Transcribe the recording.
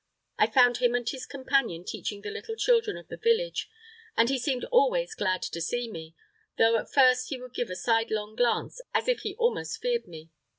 I found him and his companion teaching the little children of the village, and he seemed always glad to see me, though at first he would give a sidelong glance, as if he almost feared me.